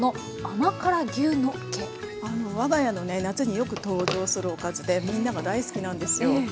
我が家のね夏によく登場するおかずでみんなが大好きなんですよ。